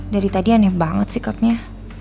dari tadi aneh banget sikapnya